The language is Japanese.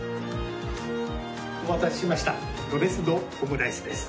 お待たせしましたドレス・ド・オムライスです。